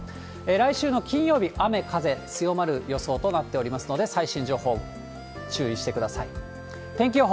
来週の金曜日、雨風強まる予想となっておりますので、最新情報中止てください。